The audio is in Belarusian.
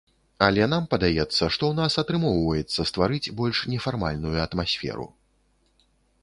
Але нам падаецца, што ў нас атрымоўваецца стварыць больш нефармальную атмасферу.